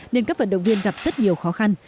nên các vận động viên gặp rất nhiều khó khăn